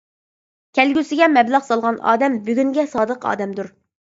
كەلگۈسىگە مەبلەغ سالغان ئادەم بۈگۈنگە سادىق ئادەمدۇر.